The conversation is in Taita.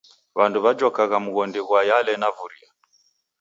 W'andu w'ajokagha mghondi ghwa Yale na Vuria.